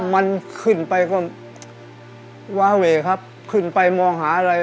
มันขึ้นไปก็วาเวครับขึ้นไปมองหาอะไร